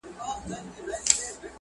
او مناسبات د اخترونو برخه ګرځولې